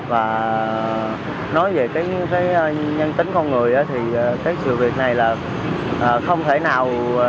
và nói về cái nhân tính con người thì cái sự việc này là không thể nào